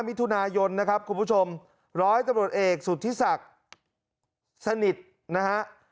มิถุนายนนะครับคุณผู้ชมร้อยตำรวจเอกสุธิศักดิ์สนิทนะฮะ